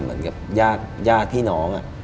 เหมือนกับญาติพี่น้อง